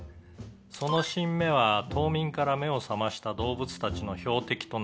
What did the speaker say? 「その新芽は冬眠から目を覚ました動物たちの標的となります」